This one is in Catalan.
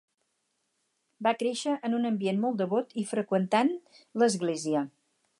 Va créixer en un ambient molt devot i freqüentant l'església.